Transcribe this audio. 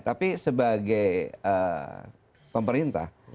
tapi sebagai pemerintah